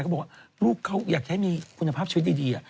เขาบอกว่าลูกเขาอยากใช้มีคุณภาพชีวิตดี